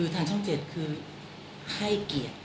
ทางช่อง๗คือให้เกียรติ